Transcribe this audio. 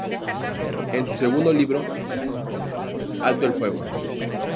En su segundo libro, "¡Alto el fuego!